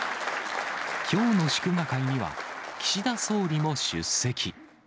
きょうの祝賀会には、岸田総理も出席。